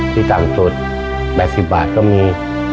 ที่ต่างจุด๘๐บาทก็มี